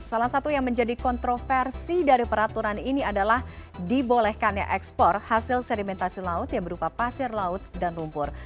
salah satu yang menjadi kontroversi dari peraturan ini adalah dibolehkannya ekspor hasil sedimentasi laut yang berupa pasir laut dan lumpur